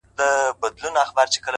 د ميني داغ ونه رسېدی؛